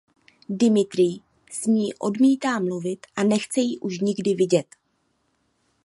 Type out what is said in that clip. Dimitrij s ní odmítá mluvit a nechce ji už nikdy vidět.